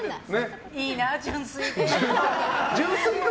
いいな、純粋で。